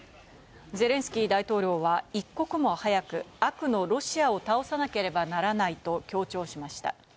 ゼレンスキー大統領は、一刻も早く悪のロシアを倒さなければならないと強調しました。